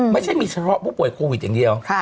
ไม่ใช่มีเฉพาะผู้ป่วยโควิดอย่างเดียว